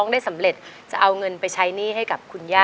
ดูมาเลยนะครับ